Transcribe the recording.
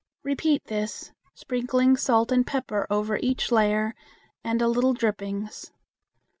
Repeat this, sprinkling salt and pepper over each layer and a little drippings.